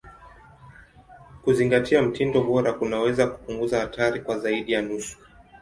Kuzingatia mtindo bora kunaweza kupunguza hatari kwa zaidi ya nusu.